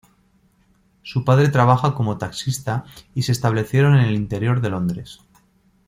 Su padre trabaja como taxista y se establecieron en el interior de Londres.